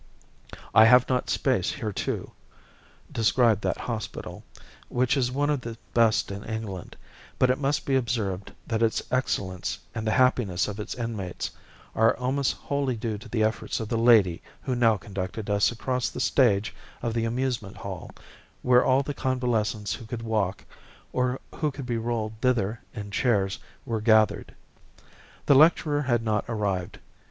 I have not space hereto describe that hospital, which is one of the best in England; but it must be observed that its excellence and the happiness of its inmates are almost wholly due to the efforts of the lady who now conducted us across the stage of the amusement hall, where all the convalescents who could walk or who could be rolled thither in chairs were gathered. The lecturer had not arrived.